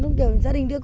khi tình cảm lâu ngày